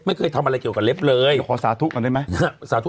ไม่เคยทำอะไรเกี่ยวกับเล็บเลยขอสาธุก่อนได้ไหมสาธุ